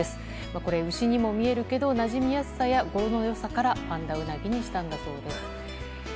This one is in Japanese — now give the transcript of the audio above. これ、牛にも見えるけどなじみやすさや語呂の良さからパンダウナギにしたんだそうです。